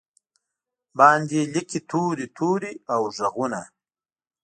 باندې لیکې توري، توري او ږغونه